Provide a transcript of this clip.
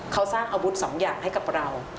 เขาสร้างอาวุธสองอย่างให้กับเรา